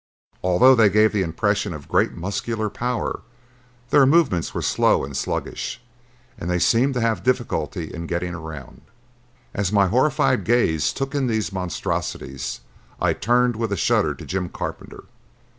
Although they gave the impression of great muscular power, their movements were slow and sluggish, and they seemed to have difficulty in getting around. As my horrified gaze took in these monstrosities I turned with a shudder to Jim Carpenter.